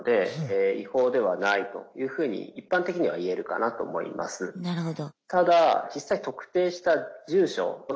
なるほど。